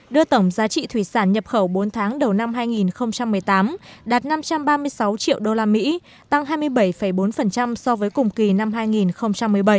đưa tổng giá trị thủy sản nhập khẩu bốn tháng đầu năm hai nghìn một mươi tám đạt năm trăm ba mươi sáu triệu usd tăng hai mươi bảy bốn so với cùng kỳ năm hai nghìn một mươi bảy